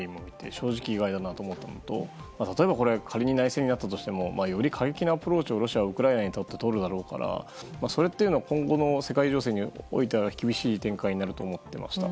正直意外だなと思ったのと例えば、仮に内戦をやったとしてもより過激なアプローチをロシアはウクライナにとってとるだろうからそれって今後の世界情勢においては厳しいことになると思っていました。